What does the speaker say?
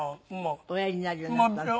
おやりになるようになったの？